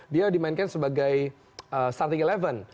dia dimainkan sebagai starting eleven